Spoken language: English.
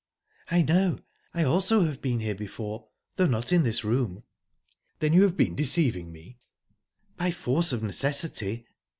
"I know. I also have been here before, though not in this room." "Then you have been deceiving me?" "By force of necessity."